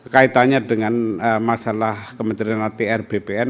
kaitannya dengan masalah kementerian atrbpn